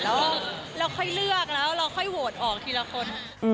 แล้วค่อยเลือกแล้วเราโหวตออกทีละคน